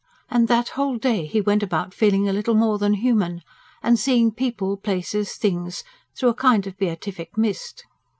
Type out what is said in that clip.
And that whole day he went about feeling a little more than human, and seeing people, places, things, through a kind of beatific mist.